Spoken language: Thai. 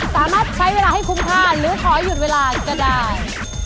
สามารถใช้เวลาให้คุ้มค่าหรือขอหยุดเวลาก็ได้